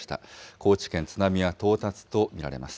高知県、津波は到達と見られます。